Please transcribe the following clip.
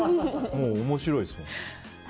面白いですもん。